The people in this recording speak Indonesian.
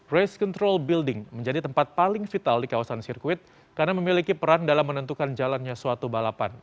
race control building menjadi tempat paling vital di kawasan sirkuit karena memiliki peran dalam menentukan jalannya suatu balapan